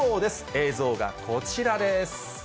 映像がこちらです。